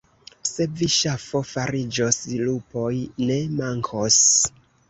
Se vi ŝafo fariĝos, lupoj ne mankos.